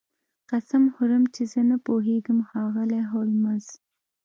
قسم خورم چې زه نه پوهیږم ښاغلی هولمز